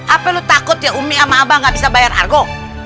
apa lu takut ya umi sama abang gak bisa bayar argo